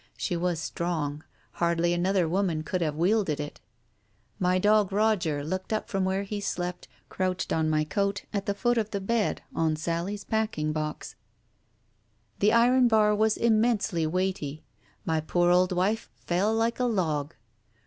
She was strong. Hardly another woman could have wielded it. My dog Roger looked up from where he slept, crouched on my coat at the foot of the bed on Sally's packing box. ... The iron bar was immensely weighty, my poor old wife fell like a log.